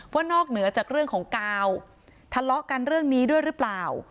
นอกเหนือจากเรื่องของกาวทะเลาะกันเรื่องนี้ด้วยหรือเปล่า